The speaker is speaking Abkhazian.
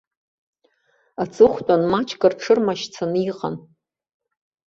Аҵыхәтәан маҷк рҽырмашьцан иҟан.